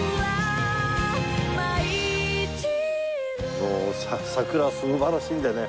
もう桜素晴らしいのでね